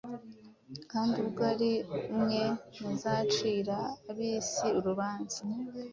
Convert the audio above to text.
Kandi ubwo ari mwe muzacira ab’isi urubanza,